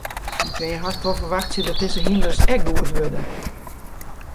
No kinne je hast wol ferwachtsje dat dizze hynders ek goed wurde.